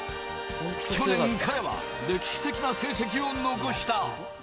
去年、彼は歴史的な成績を残した。